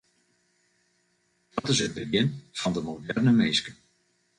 Dat is it begjin fan de moderne minske.